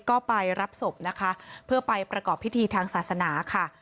ก็ไปรับศพนะคะเพื่อไปประกอบพิธีทางศาสนาค่ะ